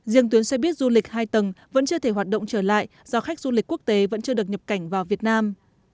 riêng tuyến xe buýt du lịch hai tầng vẫn chưa thể hoạt động trở lại do khách du lịch quốc tế vẫn chưa được nhập cảnh vào việt nam